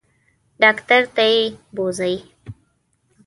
ډاکټر ته یې بوزئ.